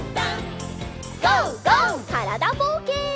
からだぼうけん。